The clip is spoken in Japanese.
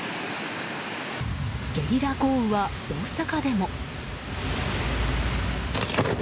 ゲリラ豪雨は大阪でも。